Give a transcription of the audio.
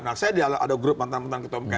nah saya ada grup mantan mantan ketua mk